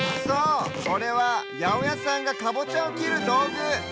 そうこれはやおやさんがかぼちゃをきるどうぐ。